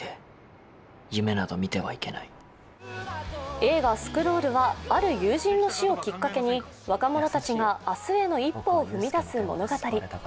映画「スクロール」はある友人の死をきっかけに若者たちが明日への一歩を踏み出す物語。